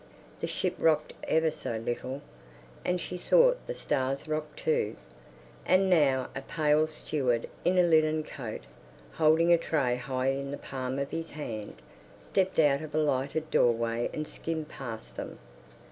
The ship rocked ever so little, and she thought the stars rocked too. And now a pale steward in a linen coat, holding a tray high in the palm of his hand, stepped out of a lighted doorway and skimmed past them.